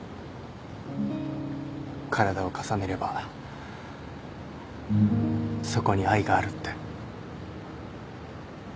体を重ねればそこに愛があるって。